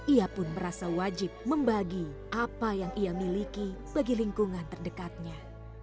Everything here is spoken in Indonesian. ia pun merasa wajib membagi apa yang ia miliki bagi lingkungan terdekatnya